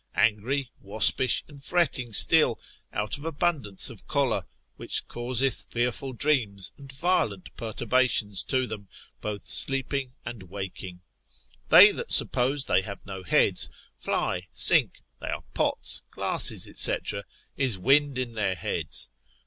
Angry, waspish, and fretting still, out of abundance of choler, which causeth fearful dreams and violent perturbations to them, both sleeping and waking: That they suppose they have no heads, fly, sink, they are pots, glasses, &c. is wind in their heads.